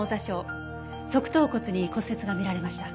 側頭骨に骨折が見られました。